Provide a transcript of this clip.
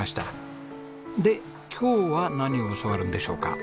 で今日は何を教わるんでしょうか？